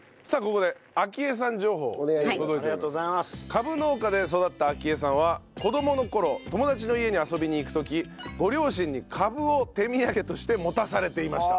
カブ農家で育った晶絵さんは子どもの頃友達の家に遊びに行く時ご両親にカブを手土産として持たされていました。